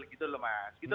gitu loh mas